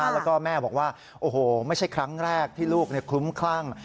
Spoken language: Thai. แล้วก็แม่บอกว่าโอ้โหไม่ใช่ครั้งแรกที่ลูกคลุ้มคลั่ง